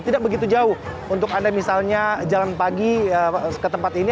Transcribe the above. tidak begitu jauh untuk anda misalnya jalan pagi ke tempat ini